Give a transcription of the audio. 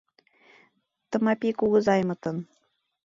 — Тымапи кугызаймытын.